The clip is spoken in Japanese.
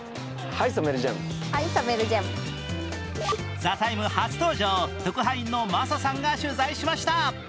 「ＴＨＥＴＩＭＥ，」初登場、特派員のマサさんが取材しました。